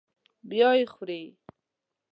بیا یې خوري.